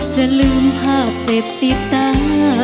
จะลืมภาพเจ็บติดตา